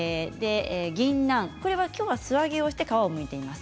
ぎんなん、きょうは素揚げして皮をむいています。